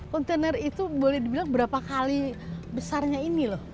kontainer itu boleh dibilang berapa kali besarnya ini loh